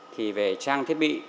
thì về trang thiết bị